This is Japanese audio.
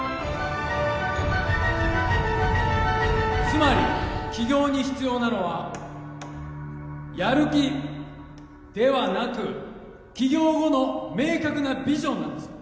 つまり起業に必要なのはやる気ではなく起業後の明確なビジョンなんです